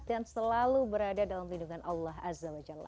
dan selalu berada dalam lindungan allah azza wa jalla